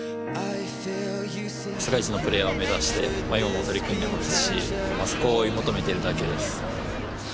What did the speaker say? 世界一のプレーヤーを目指して今も取り組んでますしそこを追い求めてるだけです。